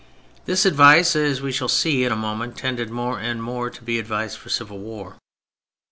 This advice, as we shall see in a moment, tended more and more to be an advice for civil war.